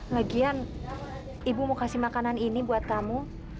lagian ibu mau kasih makanan ini buat kamu